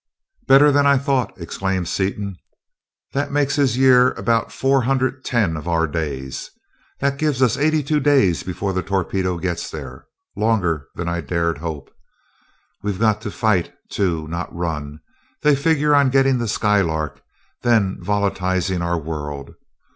"Better than I thought!" exclaimed Seaton. "That makes his year about four hundred ten of our days. That gives us eighty two days before the torpedo gets there longer than I'd dared hope. We've got to fight, too, not run. They figure on getting the Skylark, then volatilizing our world.